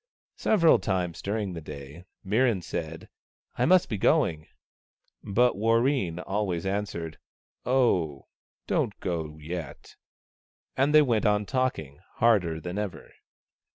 Several times during the day Mirran said, " I must be going." But Warreen always answered, " Oh, don't go yet "; and they went on talking harder than ever.